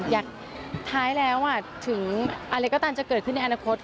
ท้ายแล้วถึงอะไรก็ตามจะเกิดขึ้นในอนาคต